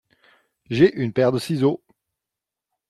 J'ai une paire de siceaux.